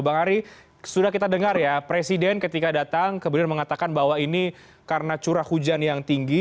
bang ari sudah kita dengar ya presiden ketika datang kemudian mengatakan bahwa ini karena curah hujan yang tinggi